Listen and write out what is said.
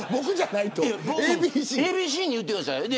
ＡＢＣに言ってください。